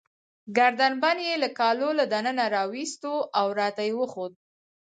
ګردن بند يې له کالو له دننه راوایستی، او راته يې وښود.